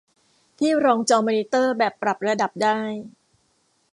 ที่รองจอมอนิเตอร์แบบปรับระดับได้